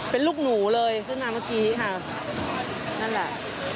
เป็นลูกหนูเลยขึ้นมาเมื่อกี้ค่ะนั่นแหละ